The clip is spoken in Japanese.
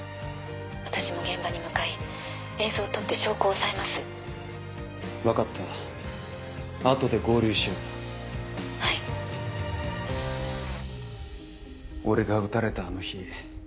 私も現場に向かい映像を撮って証拠を押さえます分かった後で合流しよう俺が撃たれたあの日